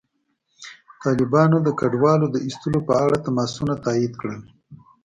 طالبانو د کډوالو د ایستلو په اړه تماسونه تایید کړل.